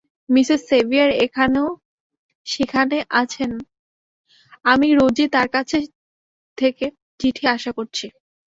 Mrs সেভিয়ার এখানও সেখানে আছেন এবং আমি রোজই তাঁর কাছ থেকে চিঠি আশা করছি।